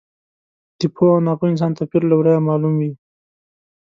د پوه او ناپوه انسان توپیر له ورایه معلوم وي.